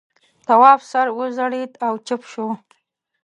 تواب سر وځړېد او چوپ شو.